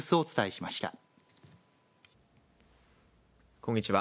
こんにちは。